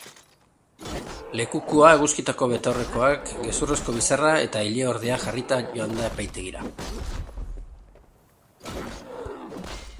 Lekukoa eguzkitako betaurrekoak, gezurrezko bizarra eta ileordea jarrita joan da epaitegira.